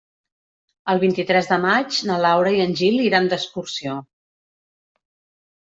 El vint-i-tres de maig na Laura i en Gil iran d'excursió.